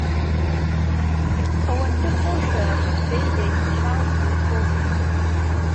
ئەوەندە خۆشە دەی دەی چاوم لە تۆ بێ